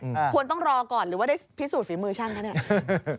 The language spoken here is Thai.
ควรต้องรอก่อนหรือว่าได้พิสูจนฝีมือช่างคะเนี่ย